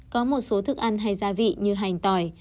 có một số thức ăn hay gia vị như hành tỏi